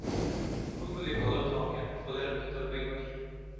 ফুলগুলি হলুদ রঙের, ফুলের ভেতর বেগুনি।